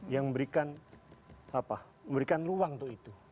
dan memberikan ruang untuk itu